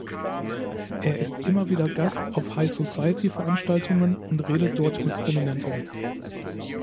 Er ist immer wieder Gast auf High-Society-Veranstaltungen und redet dort mit Prominenten.